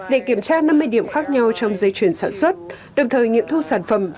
để kiểm tra năm mươi điểm khác nhau trong dây chuyển sản xuất đồng thời nghiệm thu sản phẩm